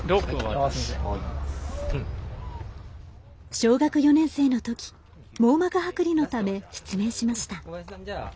小学４年生のとき網膜はく離のため失明しました。